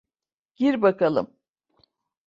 Gir bakalım.